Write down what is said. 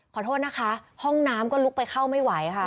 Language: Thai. ขอโทษนะคะห้องน้ำก็ลุกไปเข้าไม่ไหวค่ะ